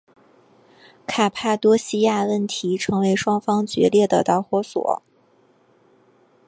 卡帕多细亚问题成为双方决裂的导火索。